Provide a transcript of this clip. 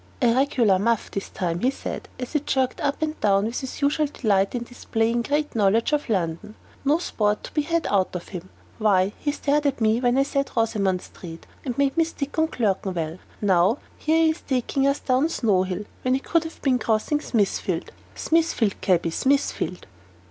"A regular muff, this time," he said, as he jerked up and down with his usual delight in displaying great knowledge of London; "no sport to be had out of him. Why, he stared at me when I said 'Rosamond Street,' and made me stick on 'Clerkenwell.' Now here he is taking us down Snow Hill, when he should have been crossing Smithfield. Smithfield, cabby, Smithfield!"